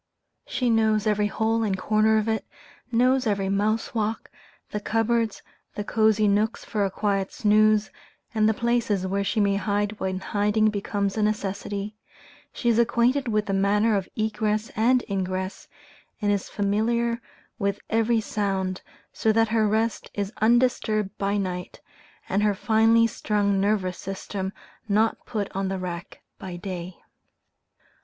She knows every hole and corner of it, knows every mouse walk, the cupboards, the cosy nooks for a quiet snooze, and the places where she may hide when hiding becomes a necessity, she is acquainted with the manner of egress and ingress, and is familiar with every sound, so that her rest is undisturbed by night, and her finely strung nervous system not put on the rack by day.